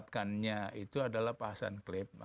tempatkannya itu adalah pak hasan klip